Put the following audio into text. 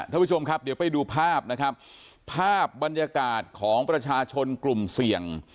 ท่านผู้ชมครับเดี๋ยวไปดูภาพนะครับภาพบรรยากาศของประชาชนกลุ่มเสี่ยง